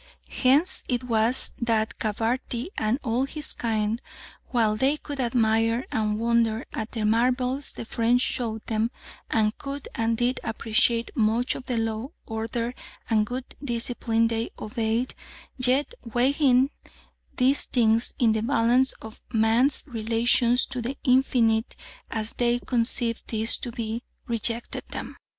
Hence it was that Gabarty and all his kind, while they could admire and wonder at the marvels the French showed them, and could and did appreciate much of the law, order, and good discipline they obeyed, yet, weighing these things in the balance of man's relations to the infinite as they conceived these to be, rejected them.